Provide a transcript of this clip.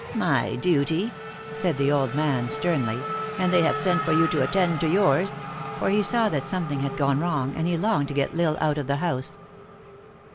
" My duty," said the old man sternly, " and they have sent for you to attend to yours !" for he saw that something had gone wrong; and he longed to get L Isle out of the house.